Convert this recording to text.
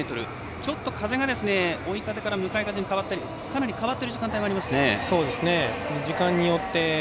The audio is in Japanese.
ちょっと風が追い風から向かい風に変わったりかなり変わっている時間帯がありますね。